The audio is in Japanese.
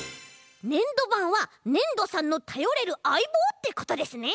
ねんどばんはねんどさんのたよれるあいぼうってことですね！